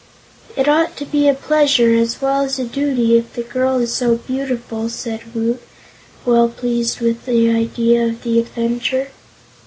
"It ought to be a pleasure, as well as a duty, if the girl is so beautiful," said Woot, well pleased with the idea of the adventure.